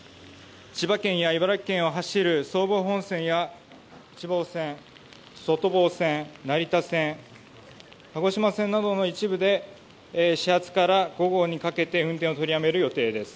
千葉県や茨城県を走る総武本線や内房線、外房線、成田線鹿島線などの一部で始発から午後にかけて運転を取りやめる予定です。